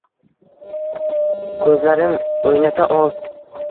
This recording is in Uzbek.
Ko’zlarim o’ynata ol!..